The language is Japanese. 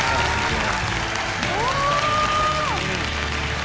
お！